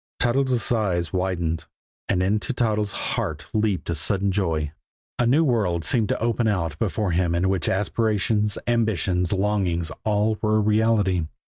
Toddles' eyes widened, and into Toddles' heart leaped a sudden joy. A new world seemed to open out before him in which aspirations, ambitions, longings all were a reality.